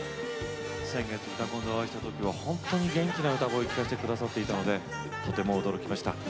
先月「うたコン」でお会いした時には本当に元気な歌声を聴かせていただいたのでびっくりしました。